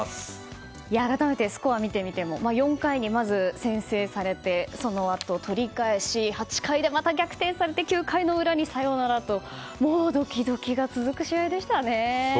改めてスコアを見てみても４回にまず先制されて、そのあと取り返し８回でまた逆転されて９回の裏にサヨナラとドキドキが続く試合でしたね。